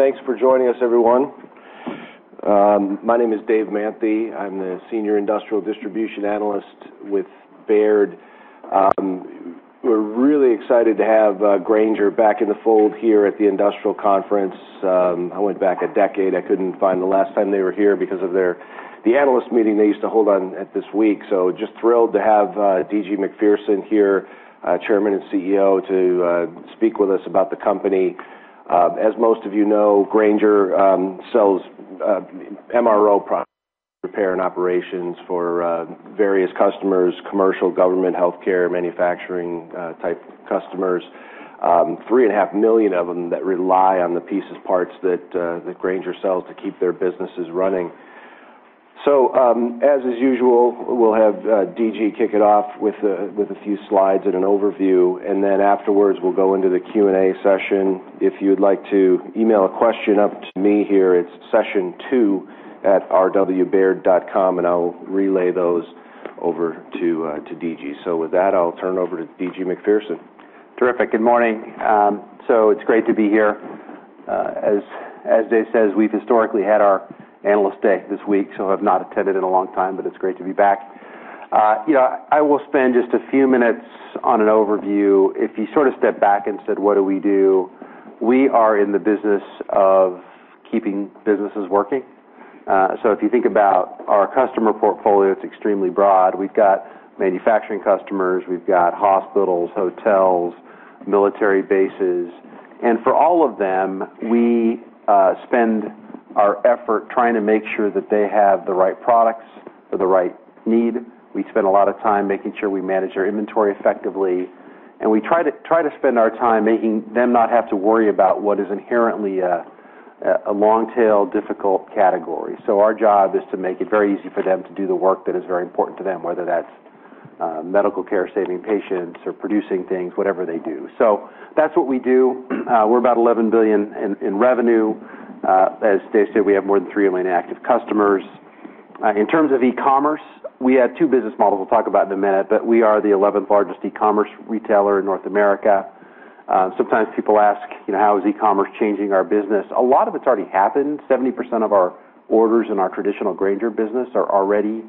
Thanks for joining us, everyone. My name is Dave Manthey. I'm the Senior Industrial Distribution Analyst with Baird. We're really excited to have Grainger back in the fold here at the industrial conference. I went back a decade. I couldn't find the last time they were here because of the analyst meeting they used to hold at this week. Just thrilled to have D.G. Macpherson here, Chairman and Chief Executive Officer, to speak with us about the company. As most of you know, Grainger sells MRO products, repair, and operations for various customers, commercial, government, healthcare, manufacturing type customers. 3.5 million of them that rely on the pieces, parts that Grainger sells to keep their businesses running. As is usual, we'll have D.G. kick it off with a few slides and an overview, and then afterwards, we'll go into the Q&A session. If you'd like to email a question up to me here, it's sessiontwo@rwbaird.com, and I'll relay those over to D.G. With that, I'll turn it over to D.G. Macpherson. Terrific. Good morning. It's great to be here. As Dave says, we've historically had our Analyst Day this week, so have not attended in a long time, but it's great to be back. I will spend just a few minutes on an overview. If you sort of step back and said, what do we do? We are in the business of keeping businesses working. If you think about our customer portfolio, it's extremely broad. We've got manufacturing customers, we've got hospitals, hotels, military bases. For all of them, we spend our effort trying to make sure that they have the right products for the right need. We spend a lot of time making sure we manage their inventory effectively, and we try to spend our time making them not have to worry about what is inherently a long tail, difficult category. Our job is to make it very easy for them to do the work that is very important to them, whether that's medical care, saving patients, or producing things, whatever they do. That's what we do. We're about $11 billion in revenue. As Dave said, we have more than 3 million active customers. In terms of e-commerce, we have two business models we'll talk about in a minute, but we are the 11th largest e-commerce retailer in North America. Sometimes people ask, "How is e-commerce changing our business?" A lot of it's already happened. 70% of our orders in our traditional Grainger business are already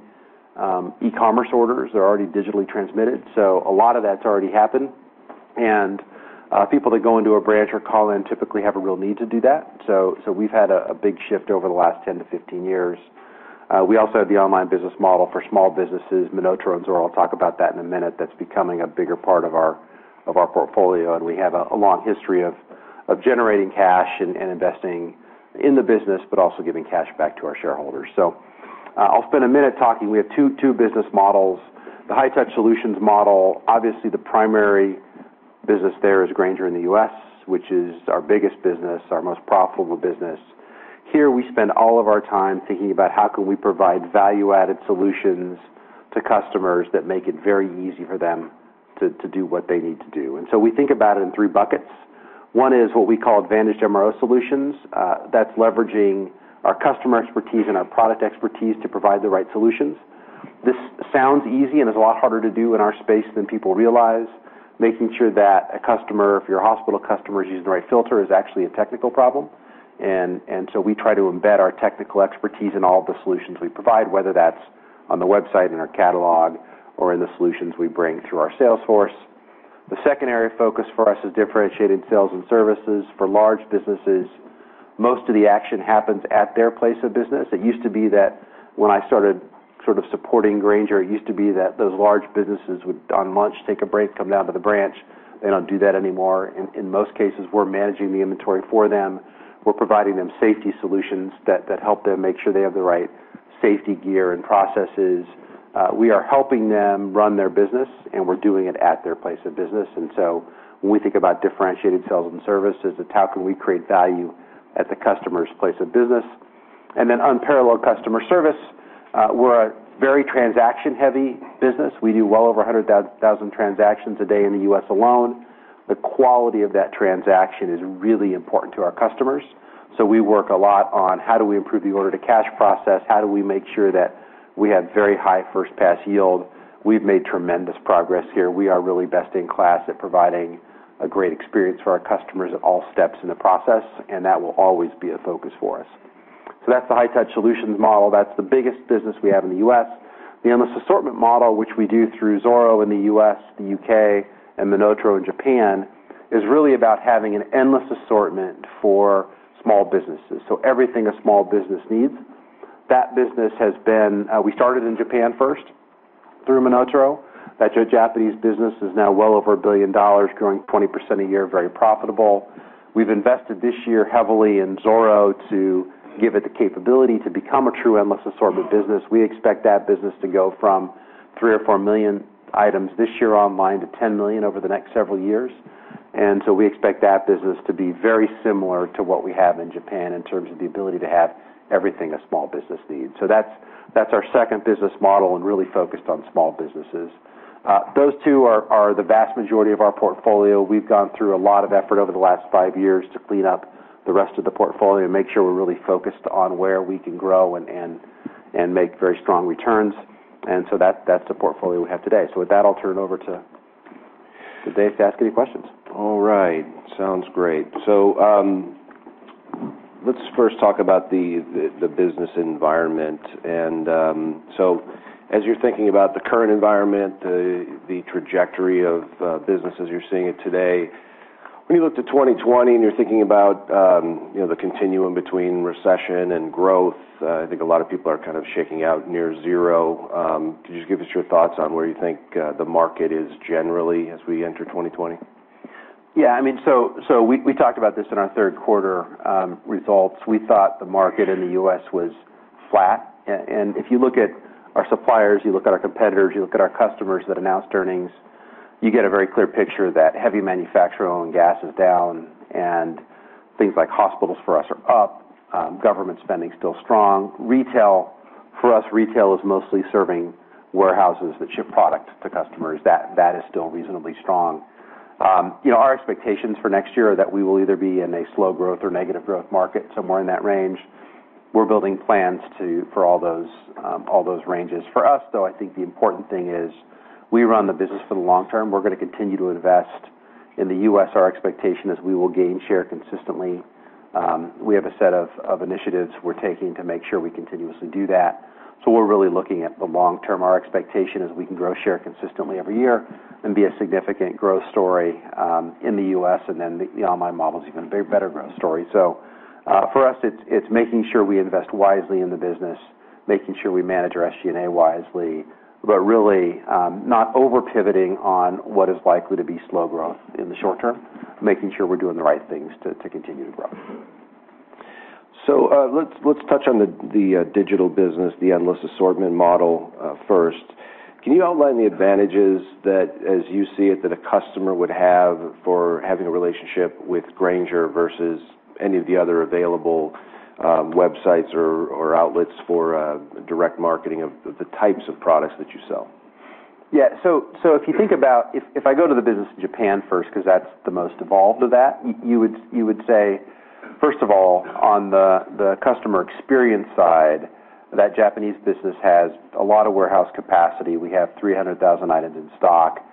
e-commerce orders. They're already digitally transmitted, so a lot of that's already happened. People that go into a branch or call in typically have a real need to do that. We've had a big shift over the last 10 to 15 years. We also have the online business model for small businesses, MonotaRO and Zoro. I'll talk about that in a minute. That's becoming a bigger part of our portfolio, and we have a long history of generating cash and investing in the business, but also giving cash back to our shareholders. I'll spend a minute talking. We have two business models. The High-Touch Solutions model, obviously the primary business there is Grainger in the U.S., which is our biggest business, our most profitable business. Here we spend all of our time thinking about how can we provide value-added solutions to customers that make it very easy for them to do what they need to do. We think about it in three buckets. One is what we call advantaged MRO solutions. That's leveraging our customer expertise and our product expertise to provide the right solutions. This sounds easy and is a lot harder to do in our space than people realize, making sure that a customer, if your hospital customer is using the right filter, is actually a technical problem. We try to embed our technical expertise in all the solutions we provide, whether that's on the website, in our catalog, or in the solutions we bring through our sales force. The secondary focus for us is differentiating sales and services for large businesses. Most of the action happens at their place of business. It used to be that when I started sort of supporting Grainger, it used to be that those large businesses would on lunch, take a break, come down to the branch. They don't do that anymore. In most cases, we're managing the inventory for them. We're providing them safety solutions that help them make sure they have the right safety gear and processes. We are helping them run their business, and we're doing it at their place of business. When we think about differentiated sales and services, it's how can we create value at the customer's place of business? Unparalleled customer service. We're a very transaction-heavy business. We do well over 100,000 transactions a day in the U.S. alone. The quality of that transaction is really important to our customers. We work a lot on how do we improve the order-to-cash process? How do we make sure that we have very high first pass yield? We've made tremendous progress here. We are really best in class at providing a great experience for our customers at all steps in the process, and that will always be a focus for us. That's the High-Touch Solutions model. That's the biggest business we have in the U.S. The Endless Assortment model, which we do through Zoro in the U.S. and U.K., and MonotaRO in Japan, is really about having an Endless Assortment for small businesses. Everything a small business needs. We started in Japan first through MonotaRO. That Japanese business is now well over $1 billion, growing 20% a year, very profitable. We've invested this year heavily in Zoro to give it the capability to become a true Endless Assortment business. We expect that business to go from 3 or 4 million items this year online to 10 million over the next several years. We expect that business to be very similar to what we have in Japan in terms of the ability to have everything a small business needs. That's our second business model and really focused on small businesses. Those two are the vast majority of our portfolio. We've gone through a lot of effort over the last five years to clean up the rest of the portfolio and make sure we're really focused on where we can grow and make very strong returns. That's the portfolio we have today. With that, I'll turn it over to Dave. Today to ask any questions. All right. Sounds great. Let's first talk about the business environment. As you're thinking about the current environment, the trajectory of business as you're seeing it today, when you look to 2020 and you're thinking about the continuum between recession and growth, I think a lot of people are kind of shaking out near zero. Could you just give us your thoughts on where you think the market is generally as we enter 2020? Yeah. We talked about this in our third quarter results. We thought the market in the U.S. was flat. If you look at our suppliers, you look at our competitors, you look at our customers that announced earnings, you get a very clear picture that heavy manufacturing on gas is down, and things like hospitals for us are up. Government spending is still strong. For us, retail is mostly serving warehouses that ship product to customers. That is still reasonably strong. Our expectations for next year are that we will either be in a slow growth or negative growth market, somewhere in that range. We're building plans for all those ranges. For us, though, I think the important thing is we run the business for the long term. We're going to continue to invest in the U.S. Our expectation is we will gain share consistently. We have a set of initiatives we're taking to make sure we continuously do that. We're really looking at the long term. Our expectation is we can grow share consistently every year and be a significant growth story in the U.S., and then the online model is even a better growth story. For us, it's making sure we invest wisely in the business, making sure we manage our SG&A wisely, but really not over-pivoting on what is likely to be slow growth in the short term, making sure we're doing the right things to continue to grow. Let's touch on the digital business, the Endless Assortment model first. Can you outline the advantages that, as you see it, that a customer would have for having a relationship with Grainger versus any of the other available websites or outlets for direct marketing of the types of products that you sell? Yeah. If I go to the business in Japan first, because that's the most evolved of that, you would say, first of all, on the customer experience side, that Japanese business has a lot of warehouse capacity. We have 300,000 items in stock.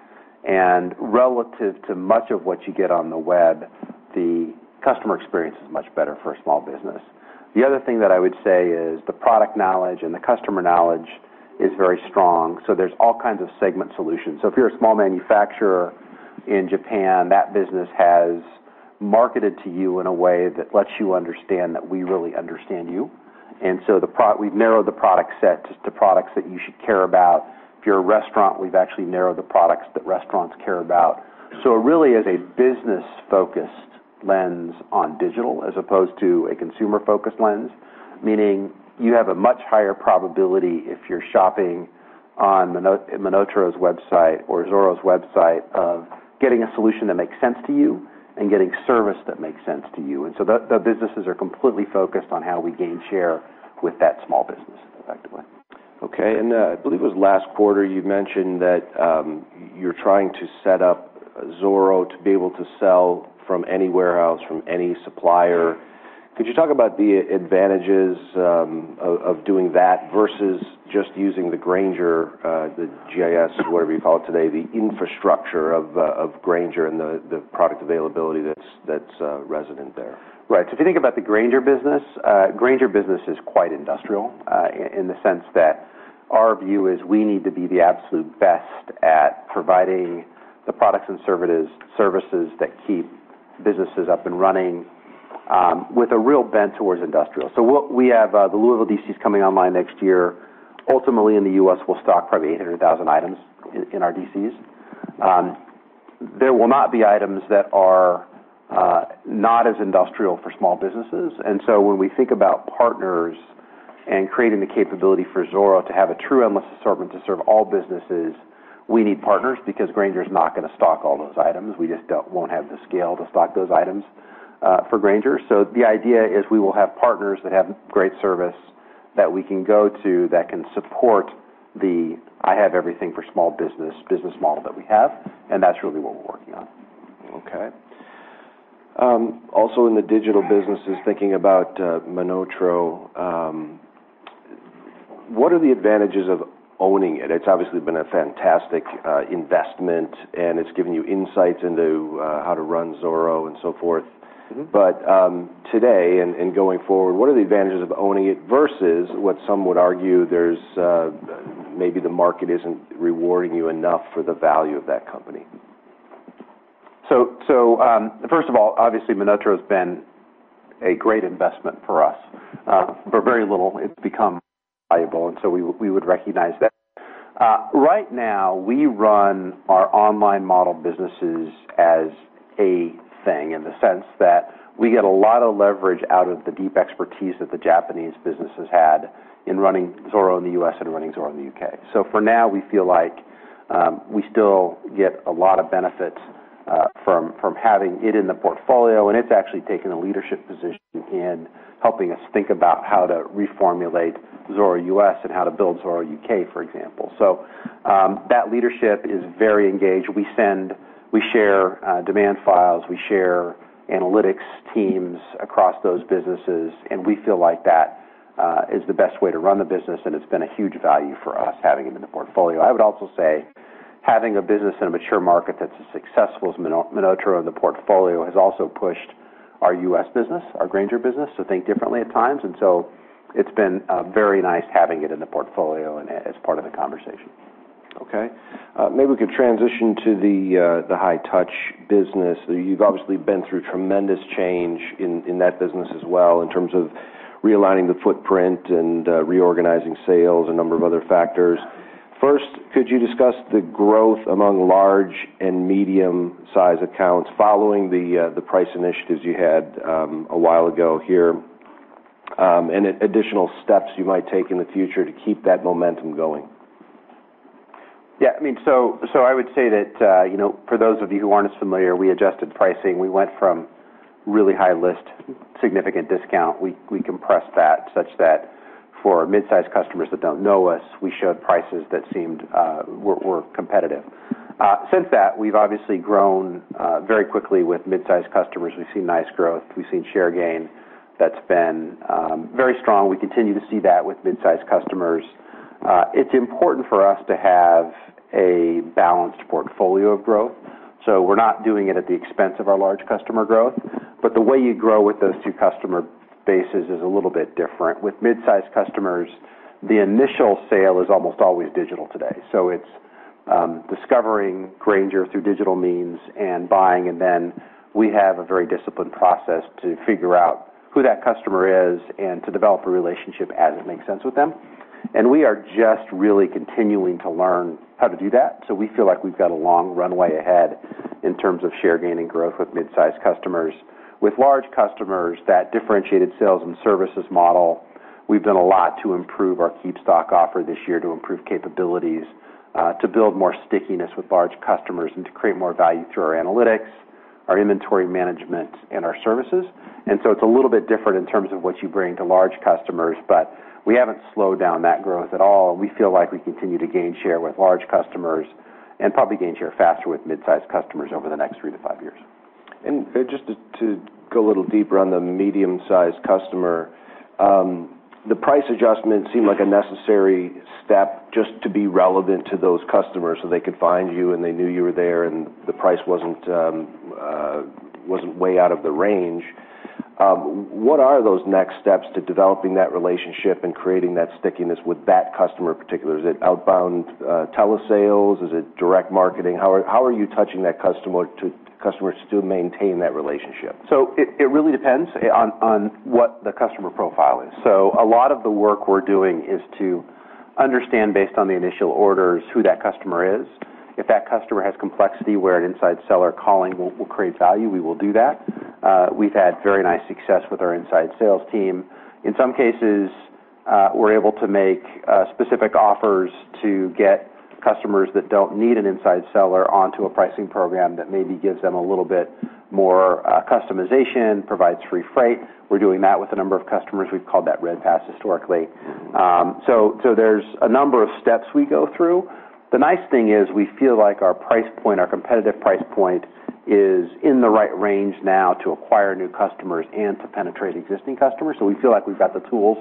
Relative to much of what you get on the web, the customer experience is much better for a small business. The other thing that I would say is the product knowledge and the customer knowledge is very strong, so there's all kinds of segment solutions. If you're a small manufacturer in Japan, that business has marketed to you in a way that lets you understand that we really understand you. We've narrowed the product set to products that you should care about. If you're a restaurant, we've actually narrowed the products that restaurants care about. It really is a business-focused lens on digital as opposed to a consumer-focused lens, meaning you have a much higher probability if you're shopping on the MonotaRO's website or Zoro's website of getting a solution that makes sense to you and getting service that makes sense to you. The businesses are completely focused on how we gain share with that small business effectively. Okay. I believe it was last quarter, you mentioned that you're trying to set up Zoro to be able to sell from any warehouse, from any supplier. Could you talk about the advantages of doing that versus just using the Grainger, the GIS, whatever you call it today, the infrastructure of Grainger and the product availability that's resident there? If you think about the Grainger business, Grainger business is quite industrial in the sense that our view is we need to be the absolute best at providing the products and services that keep businesses up and running with a real bent towards industrial. We have the Louisville DCs coming online next year. Ultimately, in the U.S., we'll stock probably 800,000 items in our DCs. There will not be items that are not as industrial for small businesses. When we think about partners and creating the capability for Zoro to have a true Endless Assortment to serve all businesses, we need partners because Grainger is not going to stock all those items. We just won't have the scale to stock those items for Grainger. The idea is we will have partners that have great service that we can go to that can support the "I have everything for small business" business model that we have, and that's really what we're working on. Okay. In the digital businesses, thinking about MonotaRO, what are the advantages of owning it? It's obviously been a fantastic investment, and it's given you insights into how to run Zoro and so forth. Today and going forward, what are the advantages of owning it versus what some would argue maybe the market isn't rewarding you enough for the value of that company? First of all, obviously, MonotaRO has been a great investment for us. For very little, it's become valuable, we would recognize that. Right now, we run our online model businesses as a thing in the sense that we get a lot of leverage out of the deep expertise that the Japanese business has had in running Zoro U.S. and running Zoro U.K. For now, we feel like we still get a lot of benefits from having it in the portfolio, and it's actually taken a leadership position in helping us think about how to reformulate Zoro U.S. and how to build Zoro U.K., for example. That leadership is very engaged. We share demand files, we share analytics teams across those businesses, and we feel like that is the best way to run the business, and it's been a huge value for us having it in the portfolio. I would also say having a business in a mature market that's as successful as MonotaRO in the portfolio has also pushed our U.S. business, our Grainger business, to think differently at times. It's been very nice having it in the portfolio and as part of the conversation. Maybe we could transition to the High-Touch Solutions. You've obviously been through tremendous change in that business as well, in terms of realigning the footprint and reorganizing sales, a number of other factors. First, could you discuss the growth among large and medium-size accounts following the price initiatives you had a while ago here, and additional steps you might take in the future to keep that momentum going? Yeah. I would say that, for those of you who aren't as familiar, we adjusted pricing. We went from really high list, significant discount. We compressed that such that for mid-size customers that don't know us, we showed prices that were competitive. Since that, we've obviously grown very quickly with mid-size customers. We've seen nice growth. We've seen share gain that's been very strong. We continue to see that with mid-size customers. It's important for us to have a balanced portfolio of growth, so we're not doing it at the expense of our large customer growth. The way you grow with those two customer bases is a little bit different. With mid-size customers, the initial sale is almost always digital today. It's discovering Grainger through digital means and buying, and then we have a very disciplined process to figure out who that customer is and to develop a relationship as it makes sense with them. We are just really continuing to learn how to do that. We feel like we've got a long runway ahead in terms of share gain and growth with mid-size customers. With large customers, that differentiated sales and services model, we've done a lot to improve our KeepStock offer this year, to improve capabilities, to build more stickiness with large customers, and to create more value through our analytics, our inventory management, and our services. It's a little bit different in terms of what you bring to large customers, but we haven't slowed down that growth at all. We feel like we continue to gain share with large customers and probably gain share faster with mid-size customers over the next three to five years. Just to go a little deeper on the medium-sized customer, the price adjustment seemed like a necessary step just to be relevant to those customers so they could find you and they knew you were there and the price wasn't way out of the range. What are those next steps to developing that relationship and creating that stickiness with that customer in particular? Is it outbound telesales? Is it direct marketing? How are you touching that customer to still maintain that relationship? It really depends on what the customer profile is. A lot of the work we're doing is to understand, based on the initial orders, who that customer is. If that customer has complexity where an inside seller calling will create value, we will do that. We've had very nice success with our inside sales team. In some cases, we're able to make specific offers to get customers that don't need an inside seller onto a pricing program that maybe gives them a little bit more customization, provides free freight. We're doing that with a number of customers. We've called that Red Pass historically. There's a number of steps we go through. The nice thing is we feel like our competitive price point is in the right range now to acquire new customers and to penetrate existing customers. We feel like we've got the tools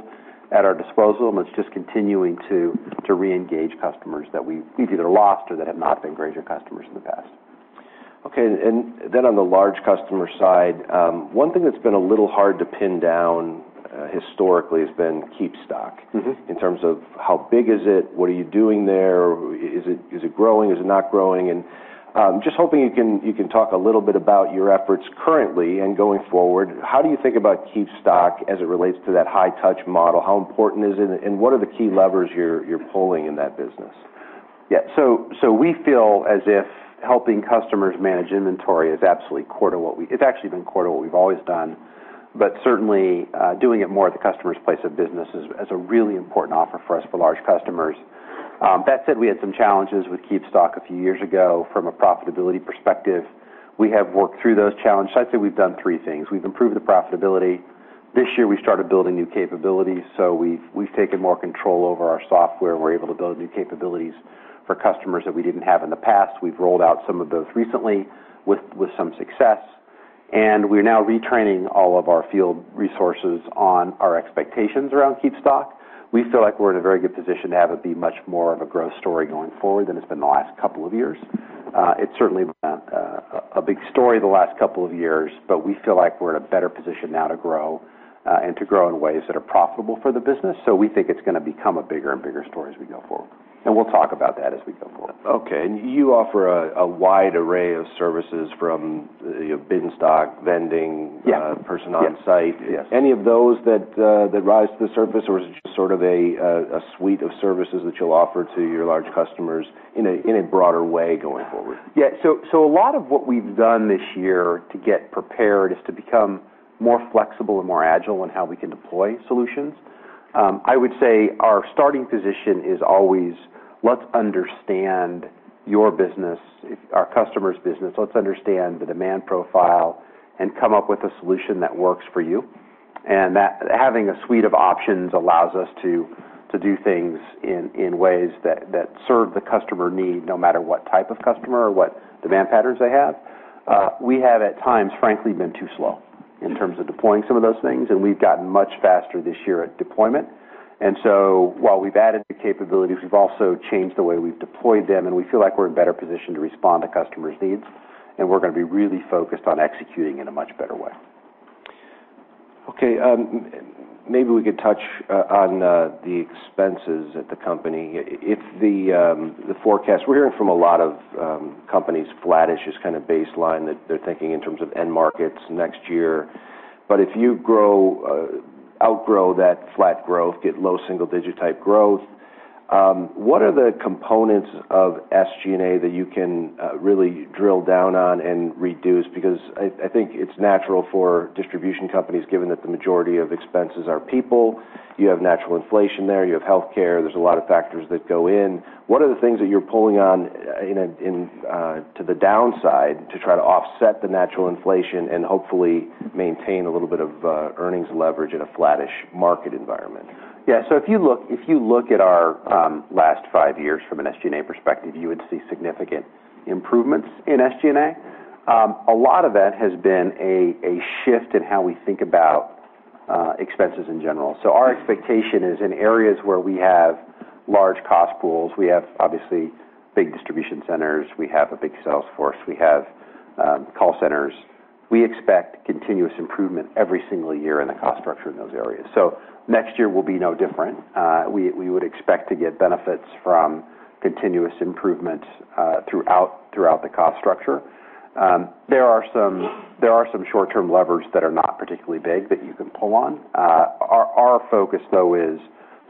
at our disposal, and it's just continuing to reengage customers that we've either lost or that have not been Grainger customers in the past. Okay, on the large customer side, one thing that's been a little hard to pin down historically has been KeepStock. In terms of how big is it, what are you doing there? Is it growing? Is it not growing? I'm just hoping you can talk a little bit about your efforts currently and going forward. How do you think about KeepStock as it relates to that High-Touch model? How important is it, and what are the key levers you're pulling in that business? Yeah. We feel as if helping customers manage inventory is absolutely core to what we've always done. Certainly, doing it more at the customer's place of business is a really important offer for us for large customers. That said, we had some challenges with KeepStock a few years ago from a profitability perspective. We have worked through those challenges. I'd say we've done three things. We've improved the profitability. This year, we started building new capabilities. We've taken more control over our software, and we're able to build new capabilities for customers that we didn't have in the past. We've rolled out some of those recently with some success, and we're now retraining all of our field resources on our expectations around KeepStock. We feel like we're in a very good position to have it be much more of a growth story going forward than it's been the last couple of years. It's certainly been a big story the last couple of years, but we feel like we're in a better position now to grow and to grow in ways that are profitable for the business. We think it's going to become a bigger and bigger story as we go forward. We'll talk about that as we go forward. Okay. You offer a wide array of services from bin stock, vending- Yeah person on site. Yes. Any of those that rise to the surface, or is it just sort of a suite of services that you'll offer to your large customers in a broader way going forward? A lot of what we've done this year to get prepared is to become more flexible and more agile in how we can deploy solutions. I would say our starting position is always, let's understand your business, our customer's business, let's understand the demand profile and come up with a solution that works for you. Having a suite of options allows us to do things in ways that serve the customer need, no matter what type of customer or what demand patterns they have. We have, at times, frankly, been too slow in terms of deploying some of those things, and we've gotten much faster this year at deployment. While we've added the capabilities, we've also changed the way we've deployed them, and we feel like we're in better position to respond to customers' needs, and we're going to be really focused on executing in a much better way. Okay. Maybe we could touch on the expenses at the company. We're hearing from a lot of companies, flattish is kind of baseline that they're thinking in terms of end markets next year. If you outgrow that flat growth, get low single-digit type growth, what are the components of SG&A that you can really drill down on and reduce? I think it's natural for distribution companies, given that the majority of expenses are people. You have natural inflation there, you have healthcare, there's a lot of factors that go in. What are the things that you're pulling on to the downside to try to offset the natural inflation and hopefully maintain a little bit of earnings leverage in a flattish market environment? If you look at our last five years from an SG&A perspective, you would see significant improvements in SG&A. A lot of that has been a shift in how we think about expenses in general. Our expectation is in areas where we have large cost pools, we have obviously big distribution centers, we have a big sales force, we have call centers. We expect continuous improvement every single year in the cost structure in those areas. Next year will be no different. We would expect to get benefits from continuous improvement throughout the cost structure. There are some short-term levers that are not particularly big that you can pull on. Our focus, though, is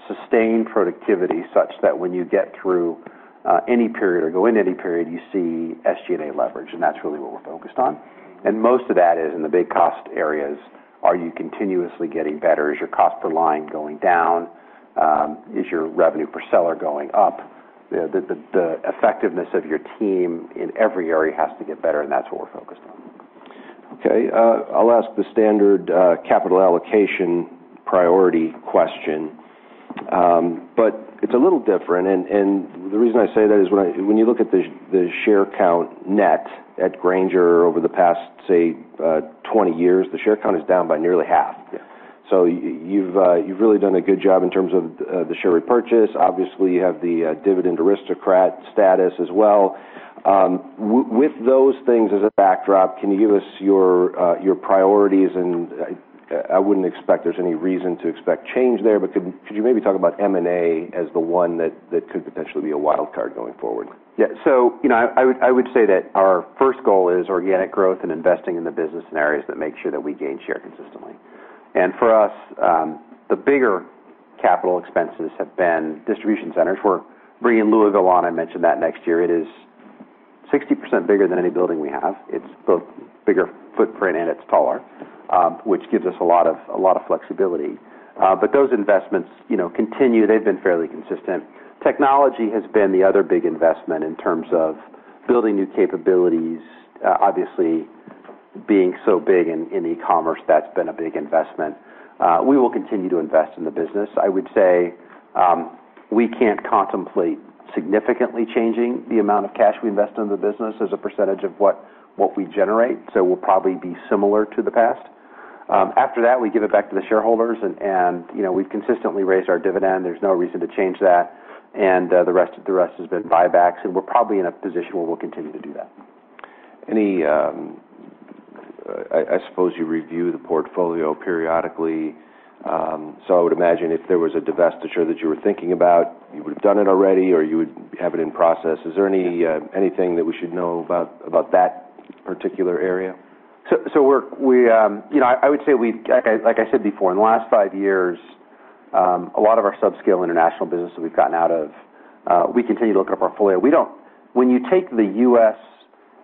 sustained productivity, such that when you get through any period or go in any period, you see SG&A leverage, and that's really what we're focused on. Most of that is in the big cost areas. Are you continuously getting better? Is your cost per line going down? Is your revenue per seller going up? The effectiveness of your team in every area has to get better. That's what we're focused on. Okay. I'll ask the standard capital allocation priority question. It's a little different, and the reason I say that is when you look at the share count net at Grainger over the past, say, 20 years, the share count is down by nearly half. Yeah. You've really done a good job in terms of the share repurchase. Obviously, you have the Dividend Aristocrat status as well. With those things as a backdrop, can you give us your priorities? I wouldn't expect there's any reason to expect change there, but could you maybe talk about M&A as the one that could potentially be a wildcard going forward? Yeah. I would say that our first goal is organic growth and investing in the business in areas that make sure that we gain share consistently. For us, the bigger capital expenses have been distribution centers. We're bringing Louisville on, I mentioned that next year, it is 60% bigger than any building we have. It's both bigger footprint and it's taller, which gives us a lot of flexibility. Those investments continue. They've been fairly consistent. Technology has been the other big investment in terms of building new capabilities. Obviously being so big in e-commerce, that's been a big investment. We will continue to invest in the business. I would say, we can't contemplate significantly changing the amount of cash we invest in the business as a percentage of what we generate, so we'll probably be similar to the past. After that, we give it back to the shareholders, and we've consistently raised our dividend. There's no reason to change that. The rest has been buybacks, and we're probably in a position where we'll continue to do that. I suppose you review the portfolio periodically. I would imagine if there was a divestiture that you were thinking about, you would have done it already, or you would have it in process. Is there anything that we should know about that particular area? I would say, like I said before, in the last five years, a lot of our sub-scale international business that we've gotten out of, we continue to look at our portfolio. When you take the U.S.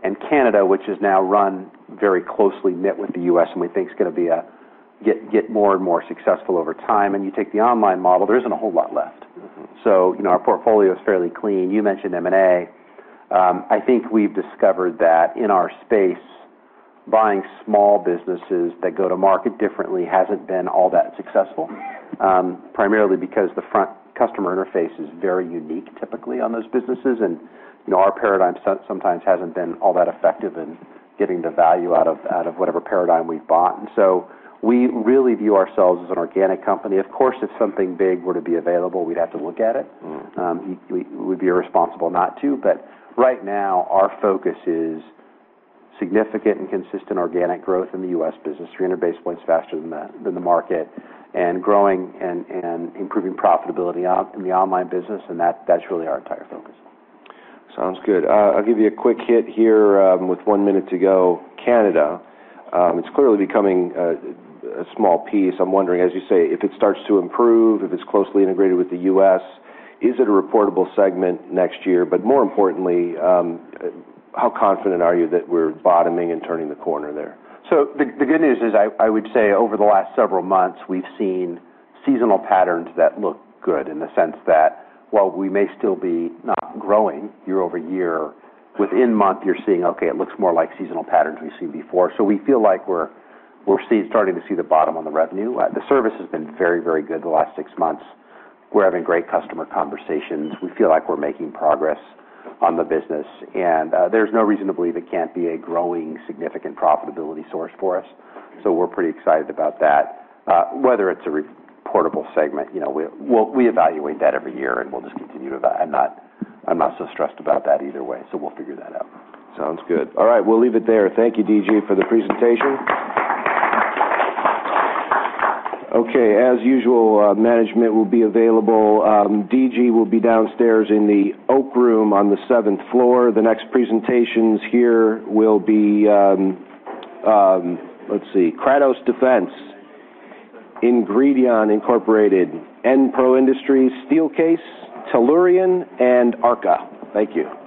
and Canada, which is now run very closely knit with the U.S., and we think is going to get more and more successful over time, and you take the online model, there isn't a whole lot left. Our portfolio is fairly clean. You mentioned M&A. I think we've discovered that in our space, buying small businesses that go to market differently hasn't been all that successful. Primarily because the front customer interface is very unique typically on those businesses, and our paradigm sometimes hasn't been all that effective in getting the value out of whatever paradigm we've bought. We really view ourselves as an organic company. Of course, if something big were to be available, we'd have to look at it. We'd be irresponsible not to. Right now, our focus is significant and consistent organic growth in the U.S. business, 300 basis points faster than the market, and growing and improving profitability in the online business, and that's really our entire focus. Sounds good. I'll give you a quick hit here with one minute to go. Canada, it's clearly becoming a small piece. I'm wondering, as you say, if it starts to improve, if it's closely integrated with the U.S., is it a reportable segment next year? More importantly, how confident are you that we're bottoming and turning the corner there? The good news is, I would say over the last several months, we've seen seasonal patterns that look good in the sense that while we may still be not growing year-over-year, within month, you're seeing, okay, it looks more like seasonal patterns we've seen before. We feel like we're starting to see the bottom on the revenue. The service has been very good the last six months. We're having great customer conversations. We feel like we're making progress on the business, and there's no reason to believe it can't be a growing, significant profitability source for us. We're pretty excited about that. Whether it's a reportable segment, we evaluate that every year, and we'll just continue to evaluate. I'm not so stressed about that either way, we'll figure that out. Sounds good. All right, we'll leave it there. Thank you, D.G., for the presentation. Okay, as usual, management will be available. D.G. will be downstairs in the Oak Room on the seventh floor. The next presentations here will be, let's see, Kratos Defense, Ingredion Incorporated, EnPro Industries, Steelcase, Tellurian, and Arca. Thank you.